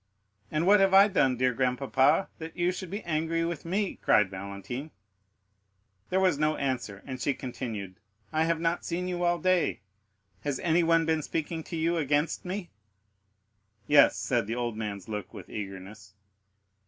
"And what have I done, dear grandpapa, that you should be angry with me?" cried Valentine. There was no answer, and she continued: "I have not seen you all day. Has anyone been speaking to you against me?" "Yes," said the old man's look, with eagerness.